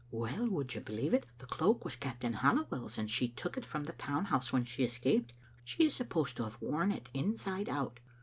Well, would you believe it, the cloak was Captain Halliwell's, and she took it from the town house when she escaped. She is supposed to have worn it inside out.